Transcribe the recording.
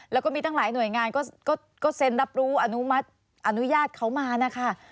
แล้วก็มีตั้งหลายหน่วยงานก็เซ็นรับรู้อนุญาตเขามานะคะ